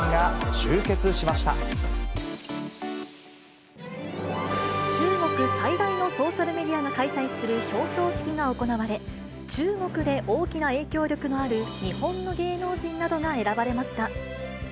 中国最大のソーシャルメディアが開催する表彰式が行われ、中国で大きな影響力のある日本の芸能人などが選ばれました。